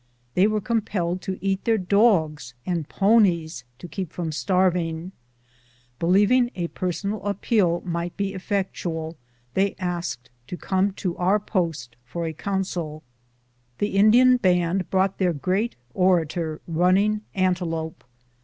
They were compelled to eat their dogs and ponies to keep from starving. Eelieving a personal appeal would be effectual, they asked to come to our post for a council. The Indian band brought their great orator Running Antelope.